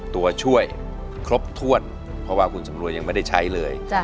ตัวช่วยครบถ้วนเพราะว่าคุณสำรวยยังไม่ได้ใช้เลย